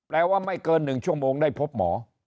ไม่เกิน๑ชั่วโมงได้พบหมอ